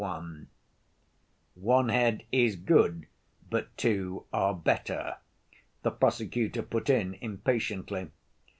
" "One head is good, but two are better," the prosecutor put in impatiently.